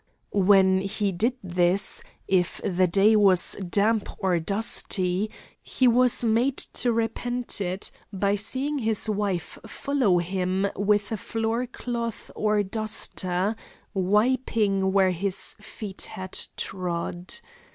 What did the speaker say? When he did this, if the day was damp or dusty, he was made to repent it by seeing his wife follow him with a floor cloth or duster, wiping where his feet had trod.